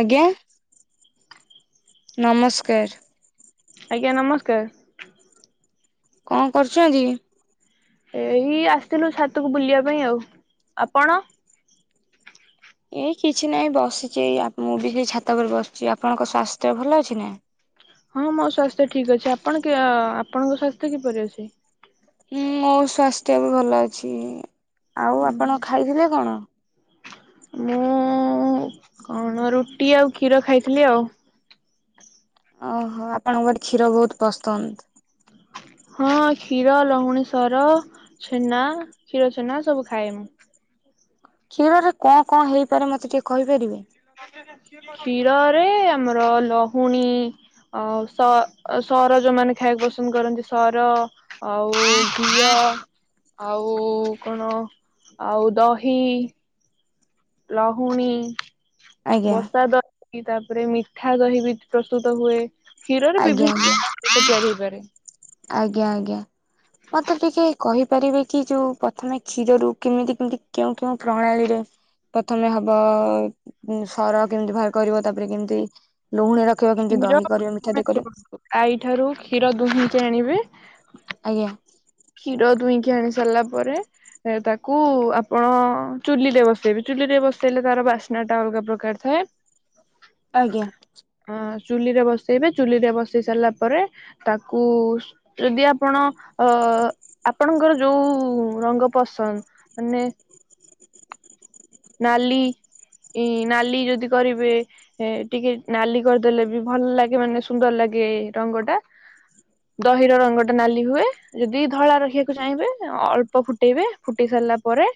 ଆଜ୍ଞା ନମସ୍କାର। ଆଜ୍ଞା ନମସ୍କାର। କଣ କରୁଛନ୍ତି? ଏଇ ଆସିଥିଲୁ ଛାତକୁ ବୁଲିବା ପାଇଁ ଆଉ ଆପଣ? ଏଇ କିଛି ନାହିଁ ବସିଛି। ଏଇ ଆ ମୁଁ ବି ଛାତ ଉପରେ ବସିଛି। ଆପଣଙ୍କ ସ୍ଵାସ୍ଥ୍ୟ ଭଲ ଅଛି ନାଁ? ହଁ ମୋ ସ୍ଵାସ୍ଥ୍ୟ ଠିକ ଅଛି। ଆପଣ କ - ଆପଣଙ୍କ ସ୍ଵାସ୍ଥ୍ୟ କିପରି ଅଛି? ହଁ- ମୋ ସ୍ୱାସ୍ଥ୍ୟ ଭଲ ଅଛି। ଆଉ ଆପଣ ଖାଇଥିଲେ କଣ? ମୁଁ କଣ ରୁଟି ଆଉ କ୍ଷୀର ଖାଇଥିଲି ଆଉ ଓହୋ ଆପଣଙ୍କୁ ବୋଧେ କ୍ଷୀର ବହୁତ ପସନ୍ଦ? ହଁ - କ୍ଷୀର ଲହୁଣୀ, ସର ଛେନା, କ୍ଷୀର ଛେନା ସବୁ ଖାଏ ମୁଁ। କ୍ଷୀରରେ କଣ କଣ ହେଇପାରେ ମତେ ଟିକେ କହିପାରିବେ? କ୍ଷୀରରେ ଆମର ଲହୁଣୀ ଆଉ ସ- ସର ଯୋଉମାନେ ଖାଇବାକୁ ପସନ୍ଦ କରନ୍ତି ସର ଆଉ ଘିଅ ଆଉ କଣ ଆଉ ଦହି ଲହୁଣୀ ଆଜ୍ଞା ବଷା ଦ କି ତାପରେ ମିଠା ଦହି ବି ପ୍ରସ୍ତୁତ ହୁଏ। କ୍ଷୀରରେ ଆଜ୍ଞା ବିଭିନ୍ନ ଆଜ୍ଞା [inaudible] ହେଇପାରେ। ଆଜ୍ଞା ଆଜ୍ଞା ମତେ ଟିକେ କହିପାରିବେ କି ଯୋଉ ପ୍ରଥମେ କ୍ଷୀରରୁ କେମିତି କେମିତି କେଉଁ କେଉଁ ପ୍ରଣାଳୀରେ ପ୍ରଥମେ ହବ ସର କେମିତି ବାହାର କରିବ ତାପରେ କେମିତି ଲହୁଣୀ ରଖିବ କେମିତି କ୍ଷୀର ଦହି କରିବ ମିଠା ଦହି କରିବ [unintelligible] ଆଈଠାରୁ କ୍ଷୀର ଦୁହିଁକି ଆଣିବେ। ଆଜ୍ଞା। କ୍ଷୀର ଦୁଇଁକି ଆଣି ସାରିଲା ପରେ ତାକୁ ଆପଣ ଅ - ଚୁଲିରେ ବସେଇବେ। ଚୁଲି ରେ ବସେଇଲେ ତାର ବାସ୍ନା ଟା ଅଲଗା ପ୍ରକାର ଥାଏ। ଆଜ୍ଞା। ଅ ଚୁଲିରେ ବସେଇବେ ଚୁଲିରେ ବସେଇ ସାରିଲା ପରେ ତାକୁ ଉ ଯଦି ଆପଣ ଅ ଆପଣଙ୍କର ଯୋଉଁ ରଙ୍ଗ ପସନ୍ଦ ମାନେ ନାଲି। ଇ ଇ ନାଲି ଯଦି କରିବେ ଏ ଟିକେ ନାଲି କରିଦେଲେ ବି ଭଲ ଲାଗେ ମାନେ ସୁନ୍ଦର ଲାଗେ ଗେ ରଙ୍ଗଟା। ଦହିର ରଙ୍ଗଟା ନାଲି ହୁଏ ଯଦି ଧଳା ରଖିବାକୁ ଚାହିଁବେ ଅଳ୍ପ ଫୁଟେଇବେ ଫୁଟେଇ ସାରି ସାରିଲା ପରେ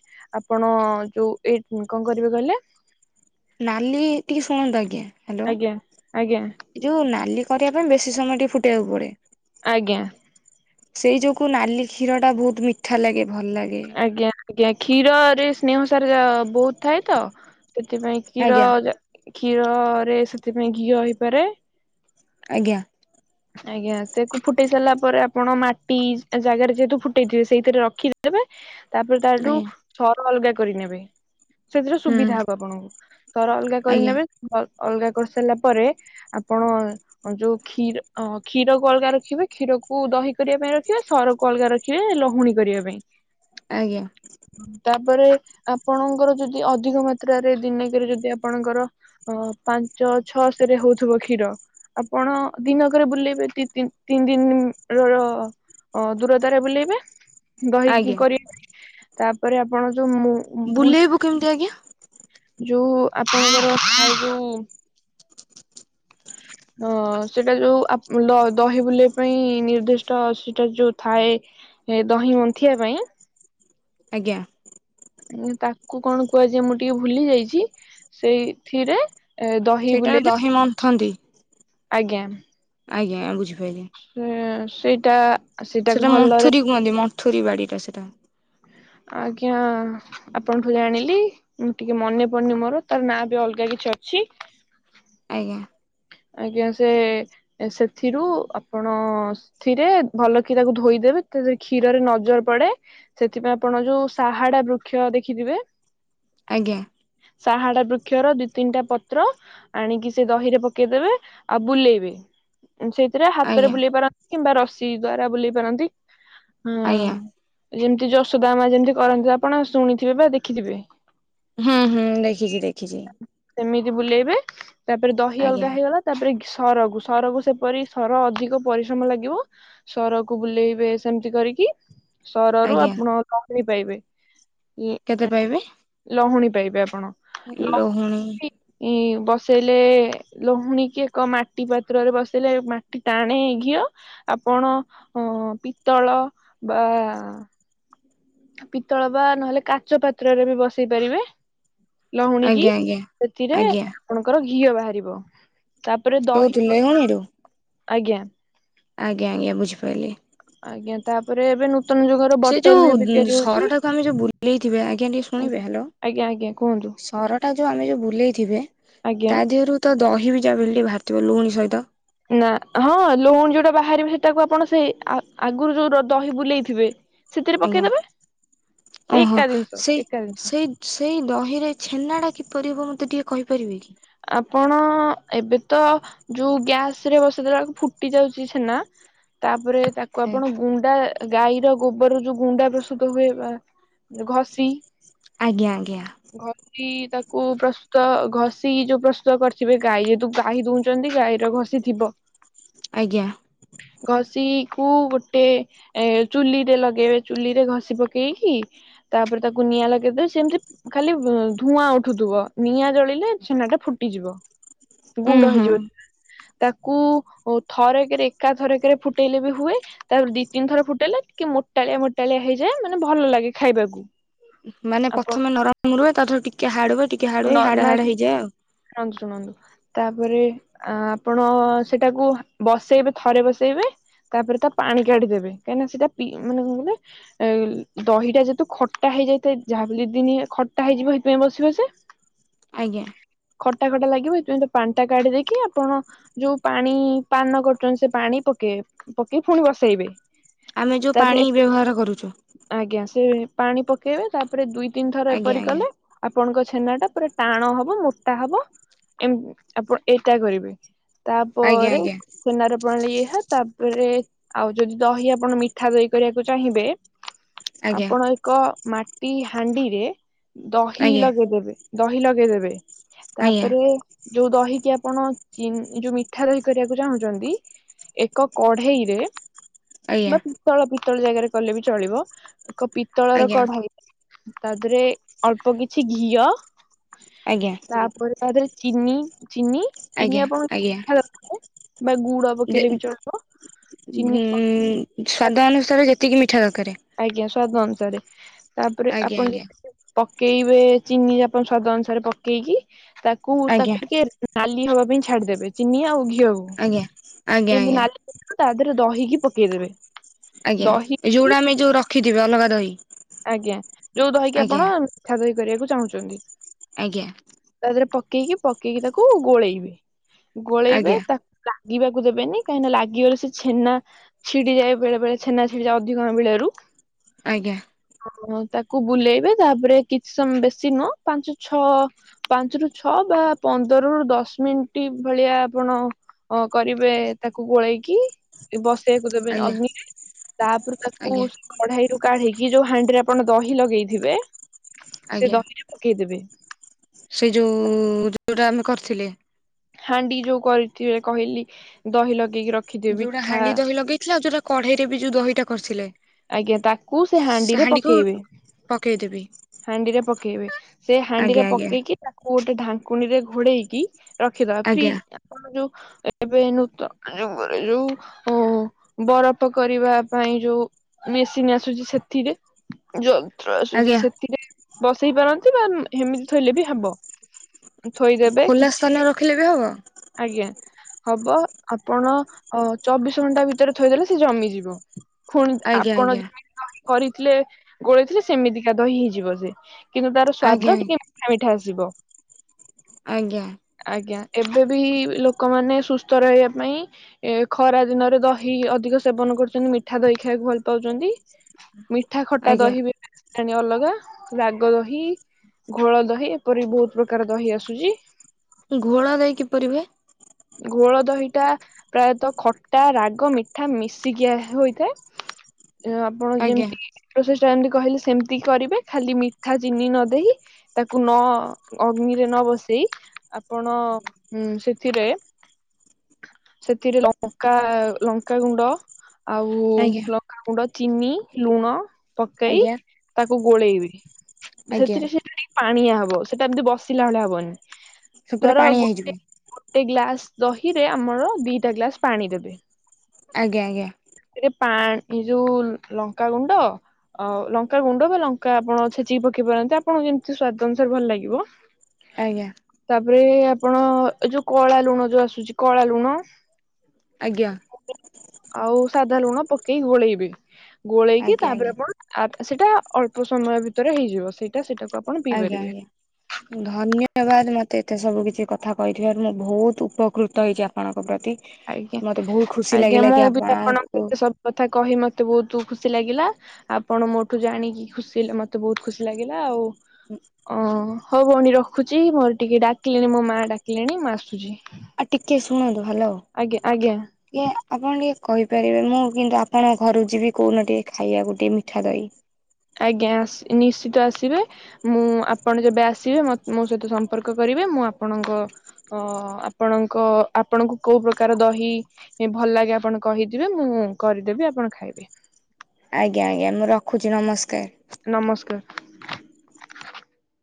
ଆପଣ ଯୋଉ ଏ କଣ କରିବେ କହିଲେ? ନାଲି ଟିକେ ଶୁଣନ୍ତୁ ଆଜ୍ଞା ହ୍ୟାଲୋ ଆଜ୍ଞା ଆଜ୍ଞା ଏ ଯୋଉ ନାଲି କରିବା ପାଇଁ ବେଶୀ ସମୟ ଟିକେ ଫୁଟେଇବାକୁ ପଡେ ଅ ଆଜ୍ଞା। ସେଇ ଯୋଗୁ ନାଲି କ୍ଷୀର ଟା ବହୁତ ମିଠା ଲାଗେ। ଭଲ ଲାଗେ ଆଜ୍ଞା - ଆଜ୍ଞା କ୍ଷୀରରେ ସ୍ନେହସାର ଜ ବହୁତ ଥାଏ ତ। ସେଥିପାଇଁ କ୍ଷୀର ଆଜ୍ଞା ଜ କ୍ଷୀରରେ ସେଥିପାଇଁ ଘିଅ ହେଇପାରେ। ଆଜ୍ଞା। ତା ପରେ ଆପଣ ମାଟି ଜାଗାରେ ଯେହେତୁ ଫୁଟେଇଥିବେ ସେଇଥିରେ ରଖିଦେବେ। ତାପରେ ତାଠୁ ଆଜ୍ଞା ସର ଅଲଗା କରିନେବେ। ସେଥିରେ ହୁଁ ସୁବିଧା ହବ ଆପଣଙ୍କୁ ସର ଅଲଗା ଆଜ୍ଞା କରିନେବେ ତ ଅଲଗା କରିସାରିଲା ପରେ ଆପଣ ଯୋଉ କ୍ଷୀର ଅ କ୍ଷୀରକୁ ଅଲଗା ରଖିବେ କ୍ଷୀରକୁ ଦହି କରିବା ପାଇଁ ରଖିବେ ସରକୁ ଅଲଗା ରଖିବେ ଲହୁଣୀ କରିବା ପାଇଁ। ଆଜ୍ଞା ତାପରେ ଆପଣଙ୍କର ଯଦି ଅଧିକ ମାତ୍ରାରେ ଦିନେକେରେ ଯଦି ଆପଣଙ୍କର ଅ ପାଞ୍ଚ ଛଅ [unintelligible] ହଉଥିବ କ୍ଷୀର ଆପଣ ଦିନ ବୁଲେଇବେ ତୀ-ତୀ ତିନି ଦିନ ର-ର ଦୂରତାରେ ବୁଲେଇବେ। ଦହିକି ଆଜ୍ଞା କରିବ ତାପରେ ଆପଣ ଯୋଉ ମୁ ବୁଲେଇବୁ ବୁଲ କେମିତି ଆଜ୍ଞା ଯୋଉ ଆପଣଙ୍କର ଯୋଉ ହଁ ସେଇଟା ଯୋଉ ଆପ୍ ଦ-ଦହି ବୁଲିବା ପାଇଁ ନିର୍ଦ୍ଦିଷ୍ଟ ସେଟା ଯୋଉ ଥାଏ। ଏ ଦହି ମନ୍ଥିବା ପାଇଁ। ଆଜ୍ଞା। ଠି ତାକୁ କଣ କୁହାଯାଏ ମୁଁ ଟିକେ ଭୁଲି ଯାଇଚି ସେଇଥିରେ ଏ ଦହି ସେଇଟାରେ ବୁଲେଇଲେ ଦହି ମନ୍ଥନ୍ତି ଆଜ୍ଞା। ଆଜ୍ଞା ବୁଝିପାଇଲି। ସେ-ସେଇଟା ସେଟା ମଥୁରୀ କୁହନ୍ତି ମଥୁରୀ ବାଡି ଟା ସେଟା। ଆଜ୍ଞା ଆପଣଠୁ ଜାଣିଲି ମୁଁ ଟିକେ ମନେ ପଡୁନି ମୋର ତାର ନାଁ ବି ଅଲଗା କିଛି ଅ ଛି। ଆଜ୍ଞା। ଆଜ୍ଞା ସେ ସେଥିରୁ ଆପଣ ସେଥିରେ ଭଲ କି ତାକୁ ଧୋଇ ଦେ ରେ କ୍ଷୀରରେ ନଜର ପଡେ ସେଥିପାଇଁ ଆପଣ ଯୋଉ ସାହାଡା ବୃକ୍ଷ ଦେଖିଥିବେ ଆଜ୍ଞା। ସାହାଡା ବୃକ୍ଷର ଦିଇ ତିନିଟା ପତ୍ର ଆଣିକି ସେ ଦହିରେ ପକ ପକେଇଦବେ ଆଉ ବୁଲେଇବି ସେଇଥିରେ ହାତରେ ଆଜ୍ଞା ବୁଲେଇ ପାରନ୍ତି କିମ୍ବା ରଶ୍ ସି ଦ୍ୱାରା ବୁଲେଇ ପାରନ୍ତି ଆଜ୍ଞା ହଁ। ଯେମିତି ଯଶୋଦା ମା ଯେମିତି କରନ୍ତିୁ ଆପଣ ଶୁଣିଥିବେ ବା ଦେଖିଥିବେ। ହୁଁ ହୁଁ ଦେଖିଚି ଦେଖିଚି। ସେମିତି ବୁଲେଇବେ ତାପରେ ଦହି ଆଜ୍ଞା ଅଲଗା ହେଇଗଲା ତାପରେ ଘିସ୍ ସରକୁ ସରକୁ ସେପରି ସରକୁ ଅଧିକ ପରିଶ୍ରମ ଲାଗିବ ସରକୁ ବୁଲେଇବେ ସେମତି କରିକି ସରରୁ ଆଜ୍ଞା ଆପଣ ଲହୁଣୀ ପାଇବେ ଇଏ ଲହୁଣୀ ପାଇବେ ଆପଣ। ଲହୁଣୀ ଲୋହୁଣୀ ବସେଇଲେ ଲୋହୁଣୀ କିଏ କ ମାଟି ପାତ୍ରରେ ବସେଇଲେ ମାଟି ଟାଣେ ଘିଅ ଆପଣ ହଁ ପିତ୍ତଳ ବା ପିତ୍ତଳ ବା ନହେଲେ କାଚ ପାତ୍ରରେ ବି ବସେଇ ପାରିବେ। ଲହୁଣୀ କିି, ଆଜ୍ଞା ଆଜ୍ଞା ସେଥିରେ ଆଜ୍ଞା ଆପଣଙ୍କର ଘିଅ ବାହାରିବ। ତାପରେ ଦହି [unintelligible] ଆଜ୍ଞା। ଆଜ୍ଞା ଆଜ୍ଞା ବୁଝିପାଇଲି। ଆଜ୍ଞା ତାପରେ ଏବେ ନୂତ୍ ନୂତନ୍ ଯୁଗର ସେ ବଟର୍ ବି ଯୋଉ ଏବେ ତିଆରି ହଉଛି, ସରଟାକୁ ଆମେ ଯୋଉ ବୁଲେଇଥିବେ ଆଜ୍ଞା ଟିକେ ଶୁଣିବେ ଆଜ୍ଞା। ହ୍ୟାଲୋ ଆଜ୍ଞା ଆଜ୍ଞା କୁହନ୍ତୁ। ସରଟା ଯୋଉ ଆମେ ଯୋଉ ବୁଲେଇଥିବେ ଆଜ୍ଞା। ତା ଦେହରୁ ତ ଦହି ବି ଯାହାବି ହେଲେ ଟିକେ ବାହାରିଥିବ ଲୁହୁଣୀ ସହିତ ନା, ହଁ ଲହୁଣୀ ଯୋଉଟା ବାହାରିବ ସେଟାକୁ ଆପଣ ସେଇ ଆ ଆଗରୁ ଯୋଉ ର ଦହି ବୁଲେଇଥିବେ। ସେଥିରେ ପକେଇଦେବେ। ସେ ଏକା ଓହୋଃ, ଜିନିଷ ସେଇ ଏକା ଜିନିଷ। ସେଇ ସେଇ ଦହିରେ ଛେନାଟା କିପରିି ହବ ମତେ ଟିକେ କହିପାରିବେ କି? ହଁ ଏବେ ତ ଯୋଉ ଗ୍ୟାସରେ ବସେଇ ଦେଲାଵେଳକୁ ଫୁଟି ଯାଉଛି ଛେନା। ତାପରେ ତାକୁ କି? ଆପଣ ଗୁଣ୍ଡା ଏ ଗାଈର ଗୋବରରୁ ଯୋଉ ଗୁଣ୍ଡା ପ୍ରସ୍ତୁତ ହୁଏ ବା ଘଷି ଆଜ୍ଞା ଆଜ୍ଞା। [inaudible] ତାକୁ ପ୍ରସ୍ତୁତ ଘଷ୍ [inaudible] ଇ ଯୋଉ ପ୍ରସ୍ତୁତ କରିଥିବେ ଗାଈ ଯେହେତୁ ଗାଈ ଦୁହୁଁଛନ୍ତି ଗାଈର ଘଷି ଥିବ। ଆଜ୍ଞା। [inaudible] କୁ ଗୋଟେ ଚୁଲିରେ ଲଗେଇବେ, ଚୁଲିରେ ଘଷି ପକେଇକି ତାପ୍ ତାପରେ ତାକୁ ନିଆଁ ଲଗେଇଦଵେ, ସେମିତି ଖାଲି ଧୂଆଁ ଉଠୁଥିବ ନିଆଁ ଜଳିଲେ ଛେନାଟା ଫୁଟିଯିବ ଉୁଁ ଗୁଣ୍ଡ ହୁଁ ହେଇଯିବ। ତାକୁ ଥରେକେରେ ଏକା ଥରେକେରେ ଫୁଟେଇଲେ ବି ହୁଏ ତାପରେ ଦି ତିନି ଥର ଫୁଟେଇଲେ ଟିକେ ମୋ ମୋଟାଳିଆ ମୋଟାଳିଆ ହୋଇଯାଏ ମାନେ ଭଲ ଲାଗେ ଖାଇବାକୁ। ମାନେ ଆପଣ ପଥମେ ନରମ ରୁହେ ତାଠାରୁ ଟିକେ ହାଡ୍ ହୁଏ ଟିକ୍ ଟିକେ ହାଡ୍ ହୁଏ ହାଡ୍ ନା ହାଡ୍ ହେଇଯାଏ ଆଉ। ଶୁଣନ୍ତୁ ଶୁଣନ୍ତୁ ତାପରେ ଆପଣଅଅ ସେଇଟାକୁ ବସେଇବେ, ଥରେ ବସେଇବେ। ତାପରେ ତା ପାଣି କାଢିଦେବେ, କାହିଁକିନା ସେଇଟା ପି ମାନେ କଣ କହିଲେ ଦହିଟା ଯେହେତୁ ଖଟା। ହେଇ ଯାଇଥାଏ, ଯାହା [inaudible] ଦିଦିନି ଖଟା ହେଇଯିବ ସେଇଥିପାଇଁ ବସିବ ସେ ଆଜ୍ଞା। ଖଟା ଖଟା ଲାଗିବ ଏଇଥିପାଇଁ ତା ପାଣିଟା କାଢିଦେଇକି ଆପଣ ଯୋଉ ପାଣି ପାନ କରୁଛନ୍ତି ସେ ପାଣି ପକେଇ ପକେଇ ପୁଣି ବସେଇବେ ଆମେ ଯୋଉ ପାଣି ତାପରେ ବ୍ୟବହାର କରୁଛୁ [inaudible] ଆଜ୍ଞା ସେ ପାଣି ପକେଇବେ ତାପରେ ଦୁଇ ତିନି ଥର ଆଜ୍ଞା ଏପରି ଆଜ୍ଞା କଲେ ଆପଣଙ୍କ ଛେନାଟା ପୁରା ଟାଣ ହବ ମୋ ମୋଟା ହବ, ଏମ୍ ଆପଣ ଏଟା କରିବେ। ତାପରେ ଆଜ୍ଞା ଛେନାର ପ୍ରଣାଳୀ ଏ [unintelligible] ତାପରେ ଆଉ ଯଦି ଦହି ଆପଣ ମିଠା ଦହି କରିବାକୁ ଚାହିଁବେ ଆଜ୍ଞା ଆଜ୍ଞା ଆପଣ ଏକ ମାଟି ହାଣ୍ଡିରେ ଦହି ଆଜ୍ଞା ଲଗେଇଦେ ଦହି ଲଗେଇଦେବେ ଆଜ୍ଞା ତାପରେ ଯୋଉ ଦହିକି ଆପଣ ଚିନି ଯୋଉ ମିଠା ଦହି କରିବାକୁ ଚାହୁଁଛନ୍ତି ଏକ କଢେଇରେ ଆଜ୍ଞା ବା ପିତ୍ତଳ ପିତ୍ତଳ ଜାଗାରେ କଲେ ବି ଚଳିବ ଏକ ପିତ୍ତଳର ଆଜ୍ଞା କଢାଇରେ ତା ଦେହରେ ଅଳ୍ପ କିଛି ଘିଅ ଆଜ୍ଞା। ତାପରେ ତା ଦେହରେ ଚିନି ଚିନି, ଚିନି ଆଜ୍ଞା ଆଜ୍ଞା ଆପଣ [inaudible] ବା ଗୁଡ ପକେଇଲେ ବି ଚଳିବ। ଚିନି ଉଁ-ଉଁ-ଉଁ ସ୍ଵାଦ ଅନୁସାରେ ଯେତିକି ମିଠା ଦକାରେ ସ୍ୱାଦ ଅନୁସାରେ, ତାପରେ ଆପଣ ଆଜ୍ଞା ଯେତେ [inaudible] ପକ୍ ପକେଇବେ ଚିନି, ଆପଣ ସ୍ୱାଦ ଅନୁସାରେ ପକେଇକି ତାକୁ, ଆଜ୍ଞା ତାକୁ ଟିକେ ନାଲି ନାଲି ହବା ପାଇଁ ଛାଡିଦେବେ ଚିନି ଆଉ ଘିଅକୁ, ଆଜ୍ଞା ଆଜ୍ଞା ଯେମିତି ଆଜ୍ଞା ନାଲି [inaudible] ତା ଦେହରେ ଦହିକି ପକେଇଦେବେ। ଆଜ୍ଞା ଦହି ଏ ଯୋଉଟା ଆମେ ଯୋଉ ରଖିଥିବେ ଅଲଗା ଦହି? ଆଜ୍ଞା ଯୋଉ ଦହିକି ଆଜ୍ଞା ଆପଣ ମିଠା ଦହି କରିବାକୁ ଚାହୁଁଚନ୍ତି। ଆଜ୍ଞା। ଇକି ପକେଇ ତାକୁ ଗୋଳେଇବେ। ଗୋଳେଇବେ ଆଜ୍ଞା ତାକୁ ଲାଗିବାକୁ ଦେବେନି କାହିଁକି ଲାଗିଗଲେ ସେ ଛେନା ଛିଡିଯାଏ ବେଳେ ବେଳେ ଚ୍ଛେନା ଛିଡିଯାଏ ଅଧିକା ଆମ୍ବିଳାରୁ। ଆଜ୍ଞା। ଅ ତାକୁ ବୁଲେଇବେ ତାପରେ କିଛି ସମୟ ବେଶୀ ନୁହଁ ପାଞ୍ଚ ଛଅ ପାଞ୍ଚ ରୁ ଛଅ ବା ପନ୍ଦରରୁୁ ଦଶ ମିନିଟ୍ ଭଳିଆ ଆପଣ ଅ କରିବେ ତାକୁ ଗୋଳେଇକି ବଶ୍ ସେଆକୁ ଦେବେନି ଆଜ୍ଞା ଅଗ୍ନିରେ ତାପରେ ତାକୁ ଆଜ୍ଞା କଢେଇରୁୁ କାଢିକି ଯୋଉ ହାଣ୍ଡିରେ ଆପଣ ଦହି ଲଗେଇଥିବେ। ସେ ଆଜ୍ଞା। ଦହିରେ ପକେଇଦେବେ ସେଇଯୋଉ ଯୋଉଟା ଆମେ କରିଥିଲେ। ହାଣ୍ଡି ଯୋଉ କରିଥିବେ କହିଲି ଦହି ଲଗେ ଯୋଉଟା ହାଣ୍ଡି ଦହି ଲଗେଇଥିଲ। ଆଉ ଯୋଉଟା କଢେଇରେ ବି ଯୋଉ ଦହିଟା କରିଥିଲେ। ଆଜ୍ଞା ତାକୁ ସେ ହାଣ୍ଡିରେ ପକେଇବେ। ପକେଇଦେବି ହାଣ୍ଡିରେ ପକେଇବେ ସେ ଆଜ୍ଞା ହାଣ୍ଡିରେ ଆଜ୍ଞା ପକେଇକି ତାକୁ ଗୋଟେ ଢାଙ୍କୁଣୀ ରେ ଘୋଡେଇକି ରଖିଦବା। ଆଜ୍ଞା ଫ୍ରିଜ ଆପଣ ଯୋଉ ଏ ନୂତନ ଯୁଗରେ ଯୋଉ ଅ ବରଫ କରିବା ପାଇଁ ଯୋଉ ମେସିନ୍ ଆସୁଛି ସେଥିରେ ଯନ୍ତ୍ର ଆସୁଛି ଆଜ୍ଞା ସେଥିରେ ବସେଇ ପାରନ୍ତି ବା ହେମିତି ଥୋଇଲେ ବି ହବ। ଥୋଇଦେବେ ଖୋଲା କିଛି। ସ୍ଥାନରେ ରଖିଲେ ବି ହବ ଆଜ୍ଞା। ହବ ଆପଣ ଚବିଶ ଘଣ୍ଟା ଭିତରେ ଥୋଇଦେଲେ ସେ ଜମିଯିବ। ପୁଣି ଆଜ୍ଞା ଆପଣ ଆଜ୍ଞା ଯେିମିତି କରିଥିଲେ ଗୋଳେଇଥିଲେ ସେମିତିକା ଦହି ହେଇଯିବ ସେ। କିନ୍ତୁ ତାର ସ୍ଵାଦ ଆଜ୍ଞା ଟିକେ ମିଠା ମିଠା ଆସିବ। ଆଜ୍ଞା। ଆଜ୍ଞା ଏବେ ବି ଲୋକମାନେ ସୁସ୍ଥ ରହିବା ପାଇଁ ଏ ଖରା ଦିନରେ ଦହି ଅଧିକ ସେବନ କଣ କରଛନ୍ତି ମିଠା ଦହି ଖାଇବାକୁ ଭଲ ପାଉଛନ୍ତି। ମିଠା ଖଟା ଆଜ୍ଞା ଦହି ବି। ପଠାଣି ଅଲଗା ରାଗ ଦହି। ଘୋଳ ଦହି। ଏପରି ବହୁତ ପ୍ରକାର ଦହି ଆସୁଛି। ଘୋଳ ଦହି କିପରିି ହୁଅ? ଘୋଳ ଦହିଟା ପ୍ରାୟତଃ ଖଟା ରାଗ ମିଠା ମିଶିକି ହୋଇଥାଏ। ଆପଣ ଆଜ୍ଞା ଯେମିତି କି ଇ- ଯେମିତି କହିଲେ ସେମିତି କରିବେ ଖାଲି ମିଠା ଚିନି ନ ଦେଇ ତାକୁ ନ ଅଗ୍ନିରେ ନ ବସି ଆପଣ ସେଥିରେ ସେଥିରେ ଲଙ୍କା ଲଙ୍କାଗୁଣ୍ଡ ଆଉ ଆଜ୍ଞା ଲଙ୍କାଗୁଣ୍ଡ ଚିନି, ଲୁଣ। ପକେଇ ଆଜ୍ଞା ତାକୁ ଗୋଳେଇବେ ଆଜ୍ଞା ସେଥିରେ ସୋ ଟିକେ ପାଣିଆ ହବ। ସେଟା ଏମତି ବସିଲା ଭଳିଆ ହବନି। ସେ ପୁରା ଧର ପାଣିଆ ଗୋଟେ ହେଇଯିବ ଗୋଟେ ଗ୍ଲାସ ଦହିରେ ଆମର ଦିଟା ଗ୍ଲାସ ପାଣି ଦେବେ। ଆଜ୍ଞା, ଆଜ୍ଞା। ସେଥିରେ ପାଣି ଯୋଉ ଲଙ୍କାଗୁଣ୍ଡ ଅ ଲଙ୍କା ଗୁଣ୍ଡ ବା ଲଙ୍କା ଆପଣ ଛେଚିକି ପକେଇ ପାରନ୍ତି ଆପଣଙ୍କୁ ଯେମିତି ସ୍ଵାଦ ଅନୁସାରେ ଭଲ ଲାଗିବ। ଆଜ୍ଞା ତାପରେ ଆପ୍ ଆପଣ ଏ ଯୋଉ କଳା ଲୁଣ ଯୋଉ ଆସୁଛି କଳା ଲୁଣ ଆଜ୍ଞା। ଆଉ ସାଧା ଲୁଣ ପକେଇ ଗୋଳେଇବେ। ଗୋଳେଇକି ଆଜ୍ଞା ତାପରେ ଆଜ୍ଞା ଆପଣ ଆପ୍ ସେଟା ଅଳ୍ପ ସମୟ ଭିତରେ ହେଇଯିବ ସେଇଟା ସେଇଟାକୁ ଆପଣ ପିଇ ଆଜ୍ଞା ପାରିବେ। ଆଜ୍ଞା ଧନ୍ୟବାଦ ମୋତେ ଏତେ ସବୁ କିଛି କଥା କହିଥିବାରୁ ମୁଁ ବୋହୁତ ଉପକୃତ ହେଇଚି ଆପଣଙ୍କ ପ୍ରତି। ଆଜ୍ଞା, ମତେ ବହୁତ ଖୁସି ଆଜ୍ଞା ଲାଗିଲା କି ମୁଁ ବି ଆପଣଙ୍କୁ ଏତେ ସବୁ କଥା କହି ମୋତେ ବହୁତୁ ଖୁସି ଲାଗିଲା ଆପଣ ମୋଠୁ ଜାଣିକି ଖୁସି ମୋତେ ବହୁତ ଖୁସି ଲାଗିଲା। ଆଉ ହୁଁ। ଅ ହଉ ଭଉଣୀ ରଖୁଚି। ଘରେ ଟିକେ ଡାକିଲେଣି ମୋ ମା ଡାକିଲେଣି ମୁଁ ଆସୁଚି। ଆ, ଟିକେ ଶୁଣନ୍ତୁ। ହାଲୋ ଆଜ୍ଞା। ଇଏ ଆପଣ ଟିକେ କହିପାରିବେ ମୁଁ କିନ୍ତୁ ଆପଣଙ୍କ ଘରୁକୁ ଯିବି କୋଉ ଦିନ ଟିକେ ଖାଇବା ଟିକେ ମିଠା ଦହି। ଆଜ୍ଞା ଆସ ନିଶ୍ଚିତ ଆସିବେ ମୁଁ ଆପଣ ଯେବେ ଆସିବେ ମ ମୋ ସହିତ ସମ୍ପର୍କ କରିବେ। ଏ, ମୁଁ ଆପଣଙ୍କ ଅ, ଆପଣଙ୍କ ଆପଣଙ୍କୁ କୋଉ ପ୍ରକାର ଦହି ଏ ଭଲ [unintelligible] ଆପଣ କହିଯିବେ ମୁଁ କରିଦେବି ଆପଣ ଖାଇବେ। ଆଜ୍ଞା, ଆଜ୍ଞା ମୁଁ ରଖୁଚି ନମସ୍କାର। ନମସ୍କାର।